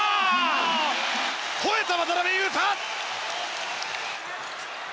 ほえた、渡邊雄太！